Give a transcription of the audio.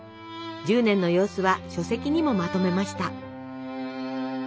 １０年の様子は書籍にもまとめました。